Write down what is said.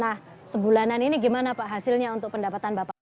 nah sebulanan ini gimana pak hasilnya untuk pendapatan bapak